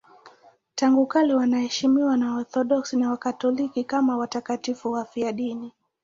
Tangu kale wanaheshimiwa na Waorthodoksi na Wakatoliki kama watakatifu wafiadini.